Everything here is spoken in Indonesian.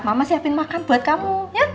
mama siapin makan buat kamu